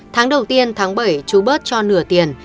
tháng đầu tiên tháng bảy chú bớt cho nửa tiền